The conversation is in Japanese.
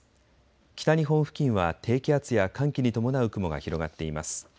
北日本付近は低気圧や寒気に伴う雲が広がっています。